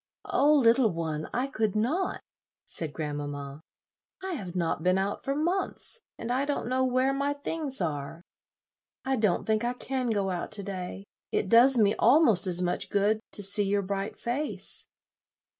"Oh, little one, I could not," said grandmamma; "I have not been out for months, and I don't know where my things are. I don't think I can go out to day. It does me almost as much good to see your bright face."